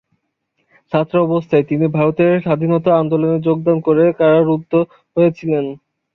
ছাত্রাবস্থায় তিনি ভারতের স্বাধীনতা আন্দোলনে যোগদান করে কারারুদ্ধ হয়েছিলেন।